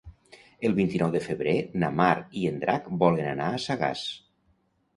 El vint-i-nou de febrer na Mar i en Drac volen anar a Sagàs.